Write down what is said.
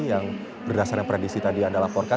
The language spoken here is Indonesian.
yang berdasarkan yang predisi tadi anda laporkan